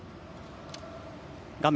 画面